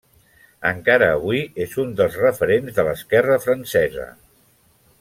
Encara avui és un dels referents de l'esquerra francesa.